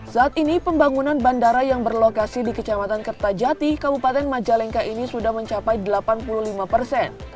saat ini pembangunan bandara yang berlokasi di kecamatan kertajati kabupaten majalengka ini sudah mencapai delapan puluh lima persen